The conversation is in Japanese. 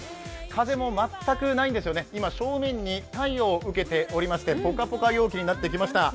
風も全くないんですよね、今、正面に太陽を受けておりましてポカポカ陽気になってきました。